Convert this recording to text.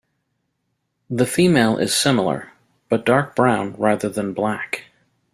The female is similar, but dark brown rather than black.